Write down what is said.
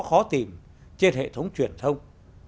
khó tìm trên hệ thống truyền thông